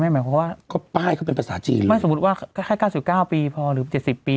ไม่หมายความว่าก็ป้ายเขาเป็นภาษาจีนเลยไม่สมมติว่าแค่แค่เก้าสี่เก้าปีพอหรือเจ็ดสิบปี